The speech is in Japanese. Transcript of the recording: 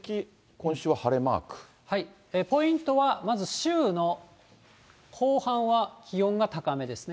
ポイントは、まず週の後半は気温が高めですね。